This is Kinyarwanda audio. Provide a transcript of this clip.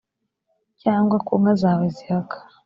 cyangwa ku nka zawe zihaka